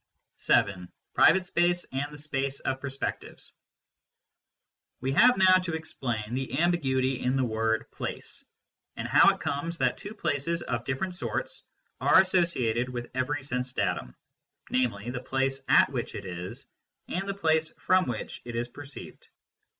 VII. PRIVATE SPACE AND THE SPACE OF PERSPECTIVES We have now to explain the ambiguity in the word " place," and how it comes that two places of different sorts are associated with every sense datum, namely the place at which it is and the place from which it is per ceived.